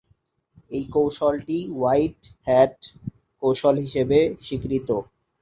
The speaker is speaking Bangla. এই কৌশলটি হোয়াইট হ্যাট কৌশল হিসেবে স্বীকৃত।